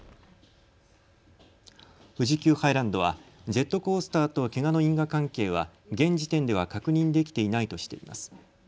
富士急ハイランドはジェットコースターとけがの因果関係は現時点では確認できていないとしています。